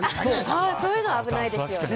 そういうのは危ないですよね。